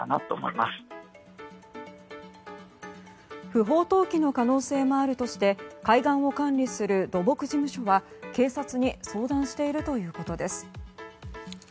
不法投棄の可能性もあるとして海岸を管理する土木事務所は警察に相談しているということです。